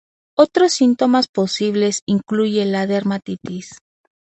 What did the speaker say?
Otros síntomas posibles incluyen la dermatitis.